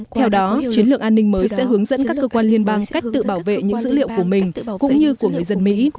theo đó chiến lược an ninh mới sẽ hướng dẫn các cơ quan liên bang cách tự bảo vệ những dữ liệu của mình cũng như của người dân mỹ